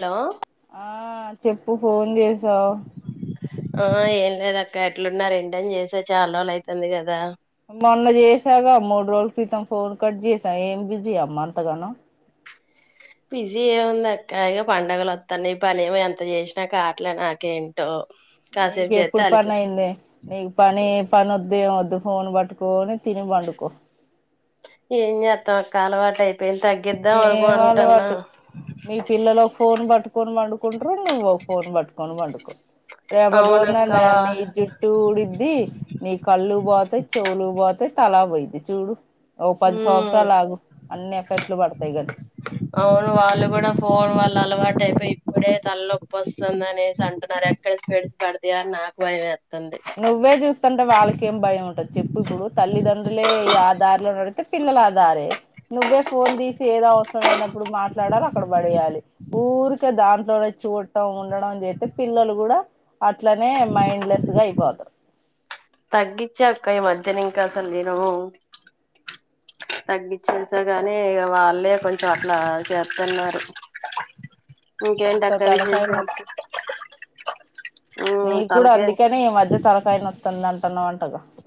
Hello ఆ చెప్పు phone చేసావు ఆ ఏం లేదు అక్క ఎట్లున్నారు ఏంటని చేసా చాలా రోజులు అయితుంది కదా మొన్న చేసాగా మూడు రోజుల క్రితం ఫోన్ కట్ చేసావు ఏం బిజీ అమ్మ అంతగానో బిజీ ఏముంది అక్క ఇగ పండగలు వత్తనయి పనేమో ఎంత చేసినా కాట్లే నాకేంటో నీకు కాసేపు చేస్తే ఎప్పుడు అలిసి పని అయింది నీకు పని పని వద్దు ఏమద్దు ఫోన్ పట్కోని తిని పండుకో ఎంజేతవక్క అలవాటు అయ్ ఏం అలవాటు మీ పిల్లలు ఒక ఫోన్ పట్టుకొని పండుకుంటురు నువ్వు ఒక ఫోన్ పట్టుకొని పండుకో రేపటి అవునక్క రోజున నీ జుట్టు ఊడిద్ది నీ కళ్ళు పోతాయి చెవులు పోతయి తలా పోయిది చూడు ఓ పది ఉమ్ సంవత్సరాలుఆగు అన్ని ఎఫెకుట్లు పడతయి అవును వాళ్ళు కూడా పోన్ వళ్ళ అలవాటు అయిపోయి ఇప్పుడే తలనొప్పి వస్తుందనేసి అంటున్నారు ఎక్కడ స్పెట్స్ పడతాయని నాకు భయం ఏతుంది నువ్వే చూస్తుంటే వాళ్ళకేం భయం ఉంటది చెప్పు ఇప్పుడు తల్లిదండ్రులే ఆ దారిలో నడితే పిల్లలు ఆ దారే నువే ఫోన్ తీసి ఏదో అవసరమైనప్పుడు మాట్లాడలి అక్కడ పడేయాలి ఊరికే దాంట్లోనే చూడటం ఉండడం చేతే పిల్లలు కూడా అట్లనే మైండ్ లెస్ గా అయిపోతారు తగ్గించా అక్క ఈ మధ్యన ఇంకా అసలు నేను తగ్గించేసా కానీ ఇక వాళ్ళే కొంచెం అట్ల చేస్తున్నారు ఇంకెంటక్క విశేషాలు నీ మ్మ్ కూడా తలకే అందుకనే ఈ మధ్య తలకాయినోత్తంది అని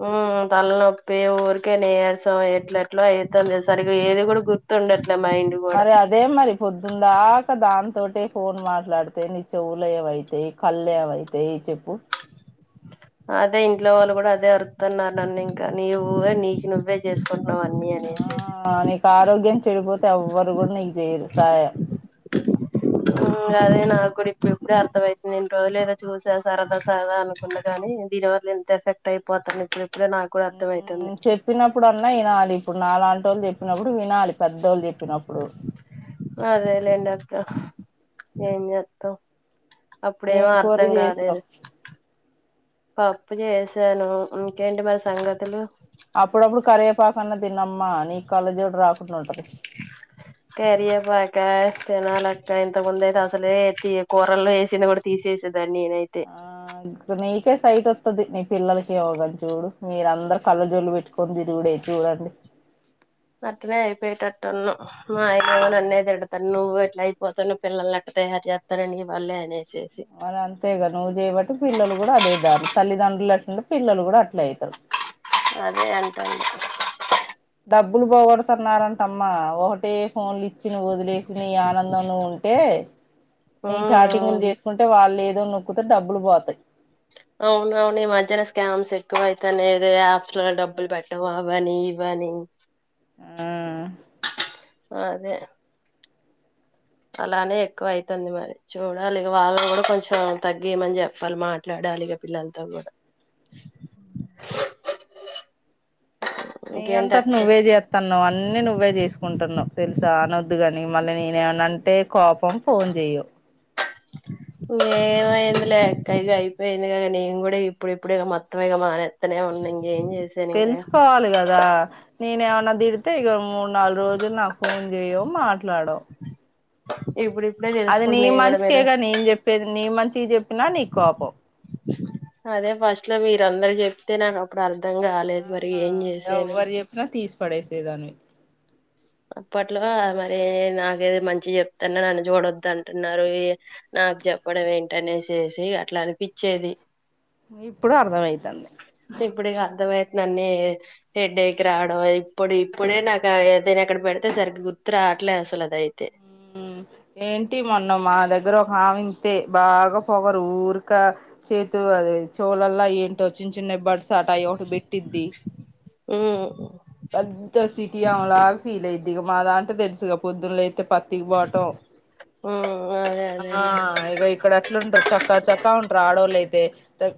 ఉ తలనొప్పి ఊరికే నీరసం ఎట్ల ఎట్లా అవుతుంది సరిగా ఏది కూడా గుర్తుండట్ల మరి అదే మరి పొద్దుందాక దాంతో తోటే ఫోన్ మాట్లాడితే నీ చెవులేమయితయి కళ్ళేమైతయి చెప్పు అదే ఇంట్లో వాళ్ళు కూడా అదే అరుతున్నారు నన్ను ఇంకా నవ్వే నీకి నువ్వే చేసుకుంటున్నావు అన్నీ అనేసేసి ఆ నీకు ఆరోగ్యం చెడిపోతే ఎవ్వరు కూడా నీకు చేయరు సాయం మ్మ్ అదే నాకు కూడా ఇప్పుడు ఇప్పుడే అర్థమైతుంది ఇన్ని రోజు లేదో చూసా సరదా సరదా అనుకున్న కానీ దీనివల్ల అంత ఎఫెక్ట్ అయిపోతున్న ఇప్పుడు ఇప్పుడే నాకు కూడా అర్థమయితుంది చెప్పినప్పుడు అన్నా వినాలి ఇప్పుడు నాలాంటోళ్లు చెప్పినప్పుడు వినాలి పెద్దోళ్ళు చెప్పినప్పుడు అదేలేండక్క ఏంజేత్తం ఏం అప్పుడేమొ కూర అర్థం కాాలేదు చేసినావ్ పప్పు చేసాను ఇంకేంటి మరి సంగతులు [unintelligible] ప్ప కన్న తినమ్మా నీకు కళ్ళజోడు రాకుండా ఉంటది కరియేపాక తినాలక్క ఇంతకు ముందు అయితే అసలే కూరల్లో వేసింది కూడా తీసేసేది దాన్ని ఏనైతే ఆ నీకే సైట్ వస్తుది నీ పిల్లలకి యోగని చూడు మీర అందరు కళ్ళ జొల్లు పెట్టు కొని తిరుగుడు ఎక్కువగా ఉంది తిన్ను మా ఆయన నన్నే తిడతాడు నువ్వే అయిపోతును పిల్లనిక్క తయారు చేస్తారండి ఇ వాళ్ళేని అన అంతేగా నివు చేయబట్టి పిల్లలు కూడా అదే దారీ తల్లిదండ్రులు ఎట్లూటే పిల్లలు కూడా అట్లే అవుతారు అదే అంటడా డబ్బులు పోగొడుతున్నారంటమ్మా ఒకటి ఫోన్లు ఇచ్చి నువ్వు వదిలేసి నీ ఆనందం లో నువు ఉంటే నీ ఉమ్ చాటింగులు చేసుకుంటే వాళ్ళు ఏదో నొక్కుతే డబ్బులు పోతాయి అవున అవును ఈ మధ్యన స్కామ్స్ ఎక్కువ అయితనే యాప్స్ లో డబ్బులు పెట్టడం అ వని ఇవని ఆ అదే అలానే ఎక్కువ అయితుంది మరి చూడాల వాళ్ళనీ కూడా కొంచెం తగ్గియమని చెప్పాలి మాట్లాడ లీ పిల్లలతో కూడా నీ ఇంకేంటి అంతట అక్క నువ్వే చేస్తా నువ్ అన్ని నువ్వే చేసుకుంటున్నావు తెలుసా అనొద్దు కాని మళ్ళీ నేనేమనంటే కోపం ఫోన్ చెయవు ఏేమయింది లేక్క ఇక అయిపోయింది కద నేను కూడా ఇప్పుడు ఇప్పుడు మొత్తం ఇక మానెత్తనే ఉన్నా ఇంకేం చేసాను ఇంకా తెలుసుకోవాలి కదా నేను ఏమన్నా తిడితే ఇక మూడు నాలుగు రోజులు నాకు ఫోన్ చెయవు మాట్లాడవు ఇప్పుడు ఇప్పుడే అది నీ తెలుసుకుంటున్నా నేను కూడా మంచికే మీరు క నేను చెప్పేది నీ మంచి చెప్పినా నీ కోపం అదే ఫస్ట్ లో మీరు అందరు చెప్తే నాకు అప్పుడు అ అర్థం కాలేదు మరి ఆ ఏం చేసాను ఎవ్వరు చెప్పినా తీసి పడేసేదానివి అప్పట్లో మరి నాకేది మంచి చెప్తన్నా నన్ను చూడొదు అంటున్నారు నాకు చెప్పడం ఏంటనే చేసి అట్లా అనిపించేది ఇప్పుడు అర్థం అయితంది ఇప్పుడుకి అర్థంమయితు నన్నన్ని హెడ్డైకి రావడం ఇప్పుడు ఇప్పుడే నాకు అైనా ఎక్కడ పెడితే సరిగ గుర్తు రావట్లే అసలు అది అయితే ఏంటి మొన్న మా దగ్గర ఒక ఆవి ఇంతే బాగా పొగరు ఊరిక చేతు అదే చోలలా ఏంటో చిన్న చిన్న బడ్స్ ఆట ఒకటి పెట్టిద్ది హ్మ్మ్ పెద్ద సిటీ అమే లాగా ఫీల్ అయతది ఇక మా దాంటే తెలుసుగా పొద్దున పతికి బాతొ ఉమ్ అదే అదే ఆ లే ఇక ఇక్కడ అట్లాంటారు చక్కా చక్క ఉంటారు ఆడోళ్ళు అయితే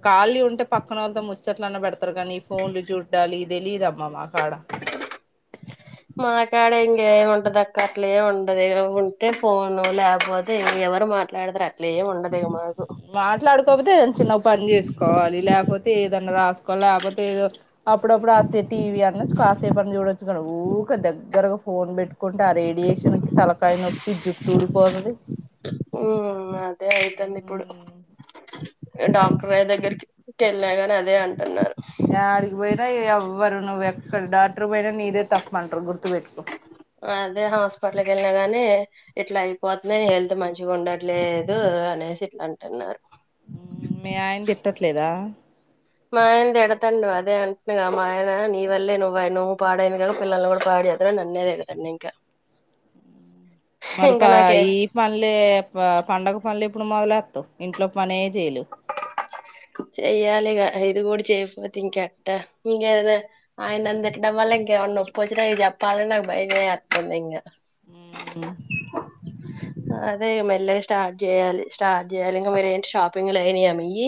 ఖాళీ ఉంటే పక్కన వాళ్ళతో ముచ్చట్లన్నా పెడతారు కానీ ఫోన్లు చూడాలి ఇ తెలియదుమ్మా మాకడ మా కాడ ఇంక ఏ ఉంటది అక్క అట్లేమి ఉంటదు ఉంటే ఫోను లేపోతే ఎవరు మాట్లాడుధర అట్లా ఏమి ఉండదు మాట్లాడుకపోతే చిన్న పని చేసుకోవాలి లేకపోతే ఏదన్నా రాసుకో పతే అప్పుడపడస్త టీవ అన కాసేపుని చూడొచ్చు కద ఊక దగ్గరగా ఫోన్ పెట్టుకుంటే ఆ రేడియేషన్ కి తలకాయ నొప్పి తూడి పోతది ఉ అదే అవుతుండి ఇప్పుడు డాక్టర్య దగ్గరికి వెళ్ళా గాని అదే అంటున్నారు ఆడికి పోయినా ఎవ్వరు నువ్వు ఎక్కడ డాక్టర్ పోయినా నీదే తప్పు అంటరు గుర్తుపెట్టుకో అదే హాస్పిటల్కి వెళ్ళినా గాని ఇట్లా అయిపోతున్నాయి హెల్త్ మంచిగా ఉండట్లేదు అనేసి అంటన్నారు మీ ఆయన తిట్టట్లేదా మా ఆయన తిడతండు అదే అంటున్నాగ మా ఆయన నీ వల్లే నువ్వు నువ్వు పాడైంది గాక పిల్లలని కూడా పా నన్నే తిడతండు ఇంకా మరి ప ఇంకా నాకే ఈ పన్లే పండగ పన్లు ఎ ప్పుడు మొదలాత్తవ్ ఇంట్లో పనే చేయలేవ్ చెయ్యాలిగా ఇది కూడా చెయపోతే ఇంకెట్టా ఇంకేదొ ఆయన అందటడం వల్ల ఇంకా నొప్పొచ్చిన ఇగ చెప్పాలనా నాకు భయమే యాతంది ఇంగ హ్మ్ అదే మెల్లగ స్టార్ట్ చేయాలి స్టార్ట్ చేయాలి ఇంగ మీరేంటి షాపింగ్లు అయినియా మియి ఈ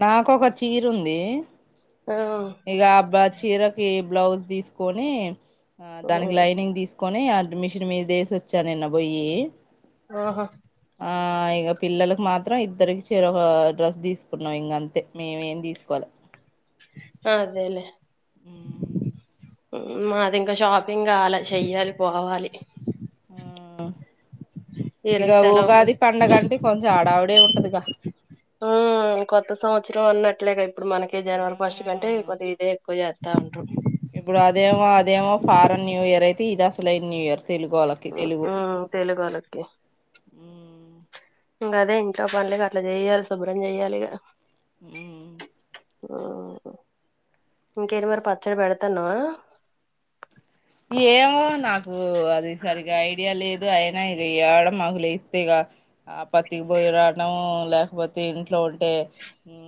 నాక్కొక చీరుంది ఆ ఇగ బా చీరకి బ్లౌజ్ తీసుకొని ఆ దానికి లైనింగ్ తీసుకు కొని అట్ మిషన్ మీద యేసొచ్చా నిన్నబోయి ఆహా ఆ ఇగ పిల్లలకు మాత్రం ఇద్దరికి చేరొక డ్రెస్ తీసు కున్నవ్ ఇంగ అంతే మేమేం తీసుకోలే అదేలే ఉమ్. మాది ఇంకా షాపింగ్ కాలా చెయ్యాలి పోవాలి మ్మ్ ఈయనకి ఇగ సెలవు కుది ఉగాది పండగ అంటే కొంచెం హడావుడే ఉంటదిగా మ్మ్ కొత్త సంవత్సరం అన్నట్లేగా ఇప్పుడు మనకి ఆ జనవరి పస్ట్ కంటే వాలు ఇదే ఎక్కువ జేత ఉం ఇప్పుడు అదేమో అదేమో ఫారెన్ న్యూ ఇయర్ అయితే ఇది అసలయిన న్యూ ఇయర్ తెలుగోళ్ళకి తెలుగు ఉమ్ తెలుగోళ్ళకి ఉమ్. ఇంగ అదే ఇంట్లో పనులిగ అట్లా చెయ్యాలి శుభ్రం చెయాలిగా హ్మ్ మ్ ఇంకేది మరి పచ్చడి పెడతన్నవా ఏమో నాకు అది సరిగ్గా ఐడియా లేదు అయినా ఇగ యాడ మాకు లేతే ఇగ ఆ పత్తికి పోయిరాటం లేకపోతే ఇంట్లో ఉంటే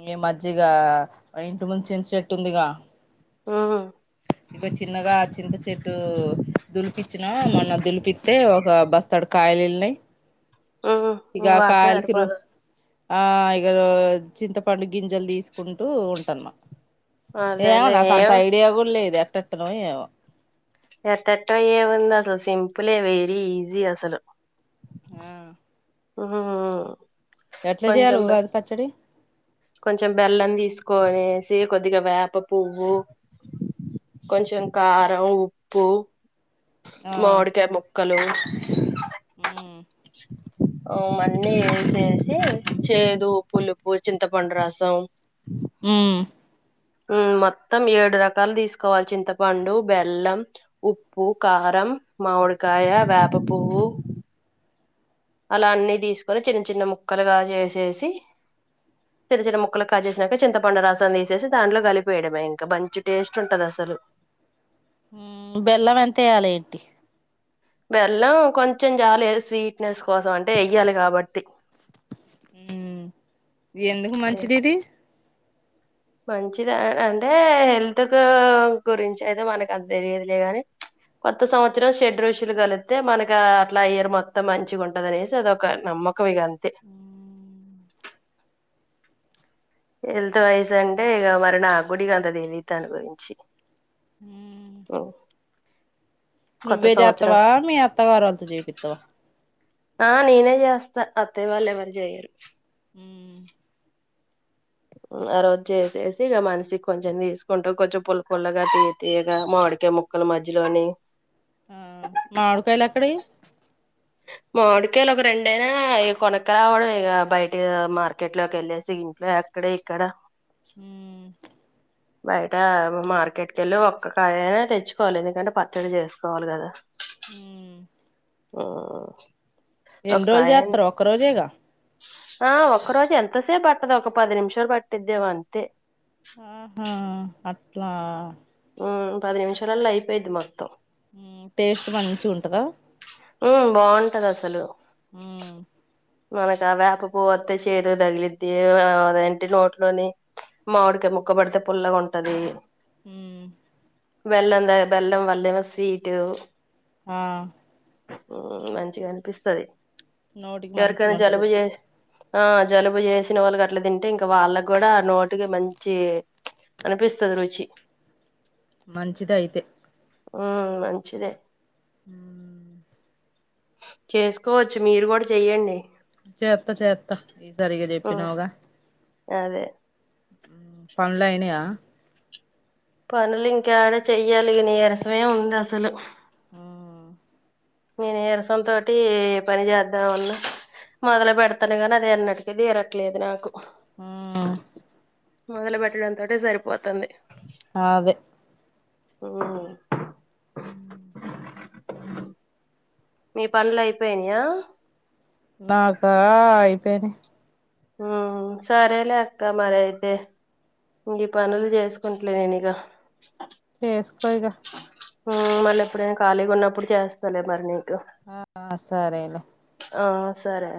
ఈ మజ్జిగ ఇంటి ముందు చింత చెట్టు ఉందిగా ఉమ్ ఇగ చిన్నగా చింత చెట్టు ఇటు దులిపిచ్చినా మొన్న దులిపితే ఒక బస్తాడు కాయలు యెళినయ్ ఉమ్ ఇగ ఇంగ వాటర్ కాయలకిరు సరిపోదు ఆ ఇగ చింతపండు గింజలు తీసుకుంటూ ఉంటాన్నా ఏమో అదేలే నాకు అంత ఏం ఐడియా కూడా లేదు ఎట్టట్టనో ఏమో ఎట్టటో ఏం ఉంది అసలు సింపులే వెరీ ఈజీ అసలు మ్ హు హు హు ఎట్లా చేయాలి ఉగాది పచ్చడి కొంచెం బెల్లం తీసుకొనేసి కొద్దిగా వేప పువ్వు కొంచం కారం ఉప్పు ఆ మావిడికాయ ముక్కలు ఉమ్ అ అన్నీ ఏసేసి చేదు పులుపు చింతపండు రసం మ్ మ్ మొత్తం ఏడు రకాలు తీసుకోవాలి చింతపండు బెల్లం ఉప్పు కార రం మామిడికాయ వేప పువ్వు అలా అన్నీ తీసుకొని చిన్న చిన్న ముక్కలుగా చేసేసి చిన్న చిన్న ముక్కలు కట్ చేసినాక చింతపండు రసం తీసేసి దాంట్లో కలిపేయడమే ఇంకా మంచి టేస్ట్ ఉంటది అసలు మ్ బెల్లం ఏంతేయాలి ఏంటి బెల్లం కొంచెం చాలే స్వీట్నెస్ కోసం అంటే ఎయ్యాలి కాబట్టి ఉమ్ ఎందుకు మంచిది ఇది మంచిది అ అంటే హెల్త్ కు గురించి అయితే మనకు అంత తెలియదులే గాని కొత్త సంవత్సరం షెడ్ రషులు కలిస్తే మనక అట్లా ఇయర్ మొత్తం మంచిగా ఉంటది అనేసి అదొక నమ్మ కం ఇగ అంతే ఉమ్ హెల్త్ వయసు అంటే ఇక మరి నాకుడ ఇగ అంత తెలియదు దాని గురించి మ్ నువ్వే చేత్తవా మీ అత్తగారు లతో చేపిత్తవా ఆ నేనే చేస్తా అత్తయ్య వాళ్లు ఎవరు చెయ్యరు ఊ ఆ రోజు చేసేసి ఇక మనిషికి కొంచెం తీసుకుంటూ కొంచెం పుల్ల పుల్లగా తీయ తీయగా మామి డికాయ ముక్కలు మజ్యలోని ఆ మావిడికాయలు ఎక్కడవి మావిడికాయలు ఒక రెండైనా ఈ కొనక రావడమే ఇగ బయట మార్కెట్ లోకి వెళ్లేసి ఇంట్లో అక్కడ ఇక్కడ మ్ బయట మార్కెట్కి వెళ్లి ఒక్క కాయైనా తెచ్చుకోవాలి ఎందుకంటే పచ్చడి చేసుకోవాలి కదా మ్ మ్ ఎన్ని రోజుల చెత్తరు ఒక రోజేగా ఆ ఒక్క రోజు ఎంతసేపు పట్టదు ఒక పది నిమిషాలు పట్టిద్దేమో అంతే మ్ అట్లా మ్ పది నిమిషాలల్లో అయిపోయిద్ది మొత్తం మ్ టేస్ట్ మంచి ఉంటదా ఉమ్ బాగుంటది అసలు మ్ మనకా అ వేప పువ్వు వత్తే చేదు తగిలిద్ది అదేంటి నోట్లోని మామిడికాయ ముక్కబడితే పుల్లగా ఉంటది మ్ బెల్ల దా బెల్లం వళ్లేమో స్వీటు అ మ్ మంచిగా అనిపిస్తది నోటికి మంచిగ ఎవరికైనా ఉంటది జలుబు చే ఆ జలుబు చేసిన వాళ్లకి అట్లా తింటే ఇంకా వాళ్లకి కూడా నోటికి మంచి అనిపిస్తది రుచి మంచిదైతే ఉ మంచిందే అ చేసుకోవచ్చు మీరు కూడా చెయ్యండి చేత చేత ఈ సరిగా ఉమ్, చెప్పినవగా అదే పన్లు అయినయ పనులు ఇంకాడ చెయ్యాలి నీరసమే ఉంది అసలు ఆ నేను నీరసం తోటి పని చేద్దాం అన్న మొదలు పెడతాను గానీ అది ఎన్నటికి తీరట్లేదు నాకు ఉమ్ మొదలు పెట్టడంతోటీ సరిపోతుంది అ అదే ఓ అ మీ పనులు అయిపోయానయా నాకా ఆయి పేని సరేలేక్క మరి ఇతే ఈ పనులు చేసుకుంటలే నేనుక చేసుకుగా మళ్ళీ ఎప్పుడైనా ఖాళీ ఉన్నప్పుడు చేస్తలే మరిని ఆ సరేలే ఆ సరే